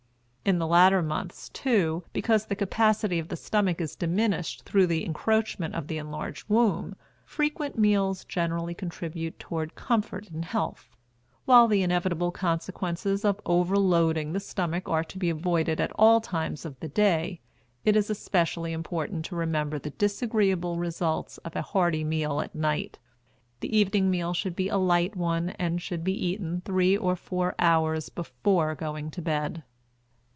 In the latter months, too, because the capacity of the stomach is diminished through the encroachment of the enlarged womb, frequent meals generally contribute toward comfort and health. While the inevitable consequences of overloading the stomach are to be avoided at all times of the day, it is especially important to remember the disagreeable results of a hearty meal at night. The evening meal should be a light one and should be eaten three or four hours before going to bed.